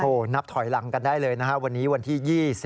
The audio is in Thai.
นับถอยหลังกันได้เลยนะฮะวันนี้วันที่๒๐